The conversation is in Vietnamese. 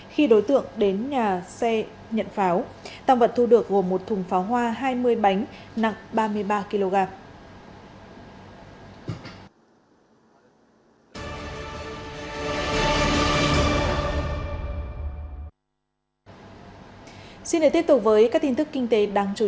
khi đối tượng đến nhà xe nhận pháo tăng vật thu được gồm một thùng pháo hoa hai mươi ba